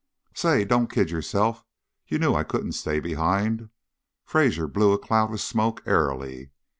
"Say, don't kid yourself. You knew I couldn't stay behind." Fraser blew a cloud of smoke airily.